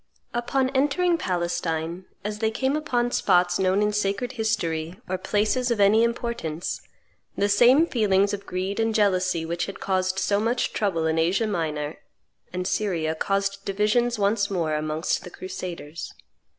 Upon entering Palestine, as they came upon spots known in sacred history or places of any importance, the same feelings of greed and jealousy which had caused so much trouble in Asia Minor and Syria caused divisions once more amongst the crusaders.